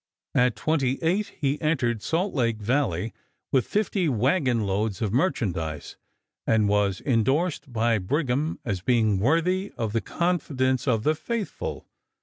At twenty eight he entered Salt Lake Valley with fifty wagon loads of merchandise and was indorsed by Brigham as being worthy of the confidence of the faithful.